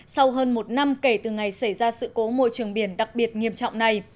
sau hơn một năm kể từ ngày xảy ra sự cố môi trường biển đặc biệt nghiêm trọng này